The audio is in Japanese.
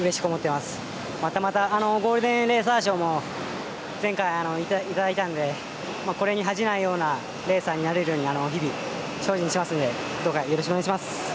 またまたゴールデンレーサー賞も前回頂いたので、これに恥じないようなレーサーになれるように日々精進しますんでどうかよろしくお願いします。